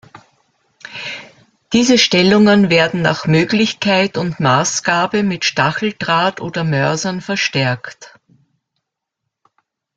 Diese Stellungen werden nach Möglichkeit und Maßgabe mit Stacheldraht oder Mörsern verstärkt.